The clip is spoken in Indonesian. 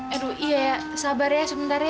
aduh iya ya sabar ya sebentar ya